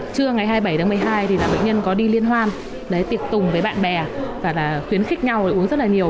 trưa ngày hai mươi bảy một mươi hai bệnh nhân có đi liên hoan tiệc tùng với bạn bè và khuyến khích nhau uống rất nhiều